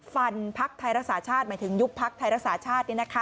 ภักดิ์ไทยรักษาชาติหมายถึงยุบพักไทยรักษาชาติ